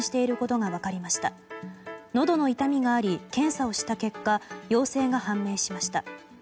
のどの痛みがあり検査をした結果陽性が判明しました。